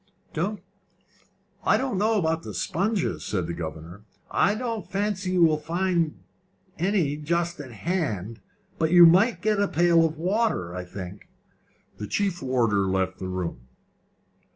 "I don't know about the sponges," said the governor; "I don't fancy you will find any just at hand. But you might get a pail of water, I think." The chief warder left the room.